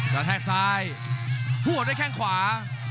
แล้วแทะซ้ายหัวด้วยแค่งขวา